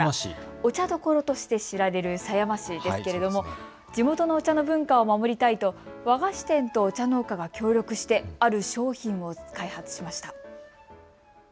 お茶どころとして知られる狭山市ですけれども地元のお茶の文化を守りたいと和菓子店とお茶農家が協力してある商品を開発しました。